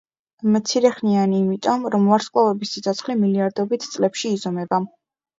მცირეხნიანი იმიტომ, რომ ვარსკვლავების სიცოცხლე მილიარდობით წლებში იზომება.